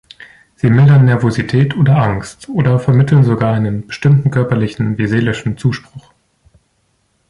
Sie mildern Nervosität oder Angst oder vermitteln sogar einen bestimmten körperlichen wie seelischen Zuspruch.